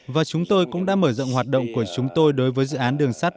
và chúng tôi cũng đã mở rộng hoạt động của chúng tôi đối với dự án đường sắt